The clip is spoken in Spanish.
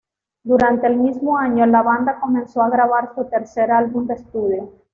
Durante el mismo año la banda comenzó a grabar su tercer álbum de estudio.